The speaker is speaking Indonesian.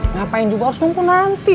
ngapain juga harus nunggu nanti